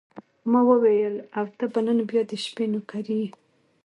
ما وویل: او ته به نن بیا د شپې نوکري یې.